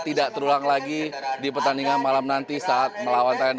tidak terulang lagi di pertandingan malam nanti saat melawan thailand